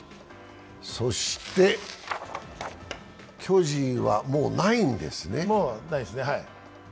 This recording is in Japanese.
そして、巨人は、もうないんですね。